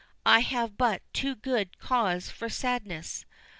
I have but too good cause for sadness.